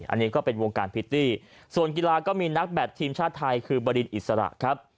อันนี้ก็เป็นวงการพิตตี้ส่วนกีฬาก็มีนักแบตทีมชาติไทยคือบรินอิสระครับ